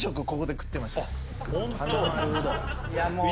ここで食ってましたあっ